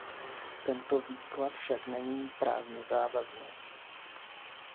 Tento výklad však není právně závazný.